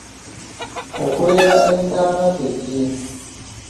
Okwera entaana kye ki?